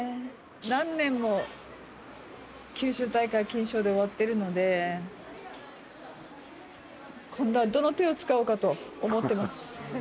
何年も九州大会金賞で終わってるので、今度はどの手を使おうかと思ってます。